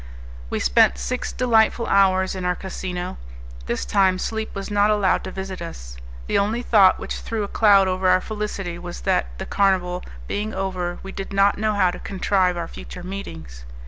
We spent six delightful hours in our casino; this time sleep was not allowed to visit us. The only thought which threw a cloud over our felicity was that, the carnival being over, we did not know how to contrive our future meetings.